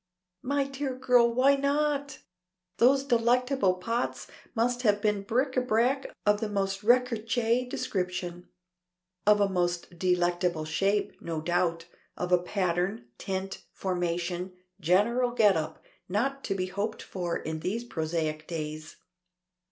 "My dear girl, why not? Those delectable pots must have been bric à brac of the most recherché description. Of a most delicate shape, no doubt. Of a pattern, tint, formation, general get up not to be hoped for in these prosaic days."